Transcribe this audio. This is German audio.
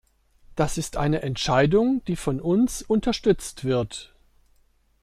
Das ist eine Entscheidung, die von uns unterstützt wird.